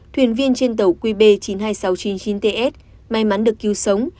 thuyền viên trên tàu qb chín mươi hai nghìn sáu trăm chín mươi chín ts may mắn được cứu sống